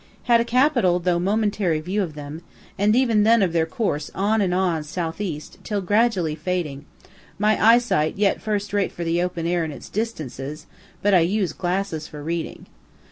Had a capital though momentary view of them, and then of their course on and on southeast, till gradually fading (my eyesight yet first rate for the open air and its distances, but I use glasses for reading.)